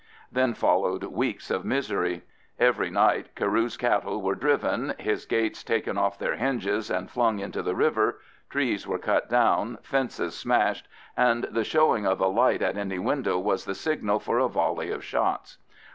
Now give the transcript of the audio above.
Then followed weeks of misery. Every night Carew's cattle were driven, his gates taken off their hinges and flung into the river, trees were cut down, fences smashed, and the showing of a light at any window was the signal for a volley of shots.